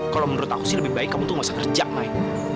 kalau menurut aku sih lebih baik kamu tuh gak usah kerja main